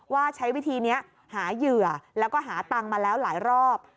ว่าใช้วิธีนี้หาเหยื่อแล้วก็หาตังค์มาแล้วหลายรอบ